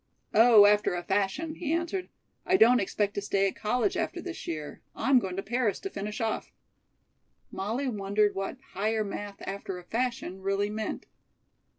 "Oh, after a fashion," he answered. "I don't expect to stay at college after this year. I'm going to Paris to finish off." Molly wondered what "Higher Math. after a fashion" really meant.